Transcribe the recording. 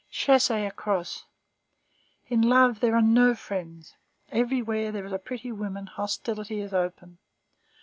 Chassez across. In love there are no friends. Everywhere where there is a pretty woman hostility is open.